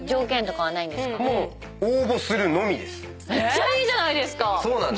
めっちゃいいじゃないですか！